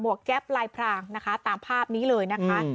แก๊ปลายพรางนะคะตามภาพนี้เลยนะคะ